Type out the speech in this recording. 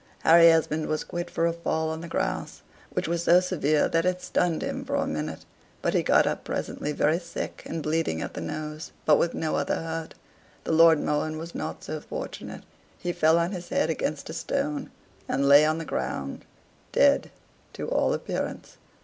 Harry Esmond was quit for a fall on the grass, which was so severe that it stunned him for a minute; but he got up presently very sick, and bleeding at the nose, but with no other hurt. The Lord Mohun was not so fortunate; he fell on his head against a stone, and lay on the ground, dead to all appearance.